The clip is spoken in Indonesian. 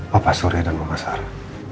papa surya dan mama sara